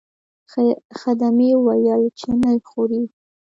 خدمې وویل چې نه خورئ.